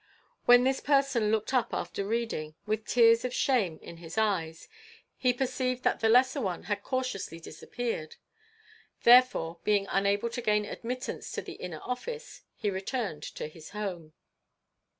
When this person looked up after reading, with tears of shame in his eyes, he perceived that the lesser one had cautiously disappeared. Therefore, being unable to gain admittance to the inner office, he returned to his home.